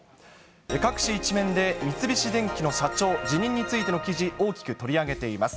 各紙１面で、三菱電機の社長、辞任についての記事、大きく取り上げています。